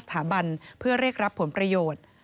สถามันเพื่อเรกรับผลประโยชน์